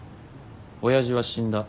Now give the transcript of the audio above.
親父は死んだ。